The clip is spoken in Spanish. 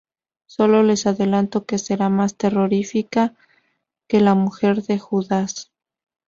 Solo les adelanto que será más terrorífica que la Mujer de Judas".